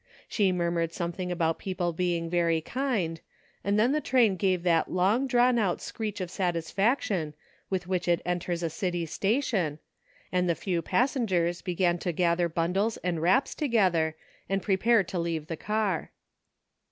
She mur mured something about people being very kind ; and then the train gave that long drawn out screech of satisfaction with which it enters a city station, and the few passengers began to gather bundles and wraps together and prepare to leave the car.